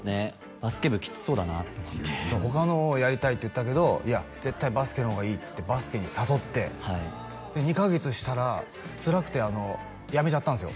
バスケ部キツそうだなと思って他のをやりたいって言ったけどいや絶対バスケのがいいってバスケに誘って２カ月したらつらくてやめちゃったんですよ